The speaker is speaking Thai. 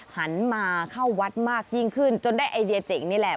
หันมาเข้าวัดมากยิ่งขึ้นจนได้ไอเดียเจ๋งนี่แหละ